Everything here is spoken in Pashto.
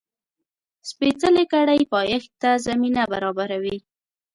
سپېڅلې کړۍ پایښت ته زمینه برابروي.